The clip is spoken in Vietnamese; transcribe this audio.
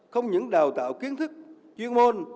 không những đào tạo kiến thức chuyên môn